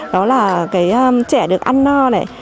đó là trẻ được ăn no